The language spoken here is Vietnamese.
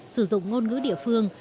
sử dụng ngôn ngữ địa phương